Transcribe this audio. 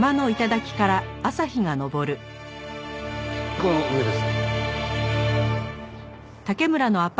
この上です。